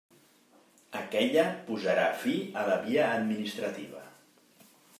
Aquella posarà fi a la via administrativa.